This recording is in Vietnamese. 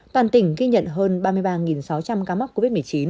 toàn tỉnh ghi nhận hơn ba mươi ba sáu trăm linh ca mắc covid một mươi chín